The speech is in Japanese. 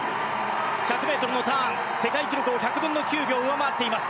１００ｍのターン、世界記録を１００分の９秒上回っています。